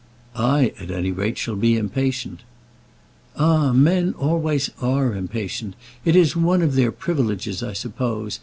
"I, at any rate, shall be impatient." "Ah, men always are impatient. It is one of their privileges, I suppose.